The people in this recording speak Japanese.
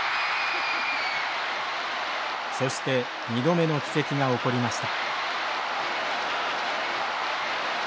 そして２度目の奇跡が起こりました。